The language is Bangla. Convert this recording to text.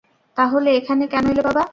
তাহলে এখানে কেন এলে, বাবা?